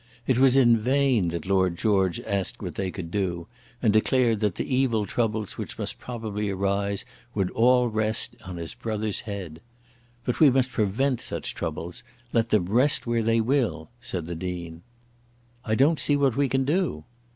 It was in vain that Lord George asked what they could do, and declared that the evil troubles which must probably arise would all rest on his brother's head. "But we must prevent such troubles, let them rest where they will," said the Dean. "I don't see what we can do."